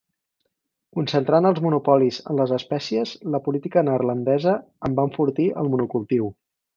Concentrant els monopolis en les espècies, la política neerlandesa en va enfortir el monocultiu.